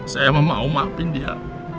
saya mau maafin dia